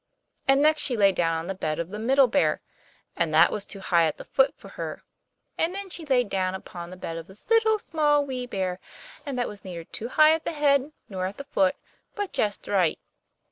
And next she lay down upon the bed of the Middle Bear; and that was too high at the foot for her. And then she lay down upon the bed of the Little, Small, Wee Bear; and that was neither too high at the head, nor at the foot, but just right.